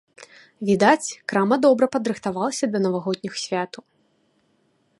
Відаць, крама добра падрыхтавалася да навагодніх святаў.